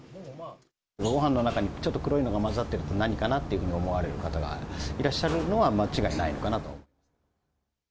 ごはんの中に、ちょっと黒いのが混ざってると何かなって思われる方がいらっしゃるのは間違いないのかなと。